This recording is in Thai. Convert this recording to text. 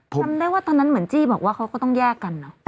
จำได้ว่าตอนนั้นเหมือนจี้บอกว่าเขาก็ต้องแยกกันเนอะ